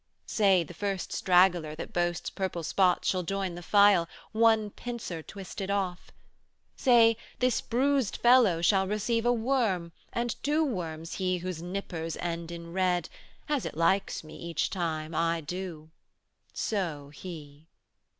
'Say, the first straggler that boasts purple spots Shall join the file, one pincer twisted off; 105 'Say, this bruised fellow shall receive a worm, And two worms he whose nippers end in red; As it likes me each time, I do: so He.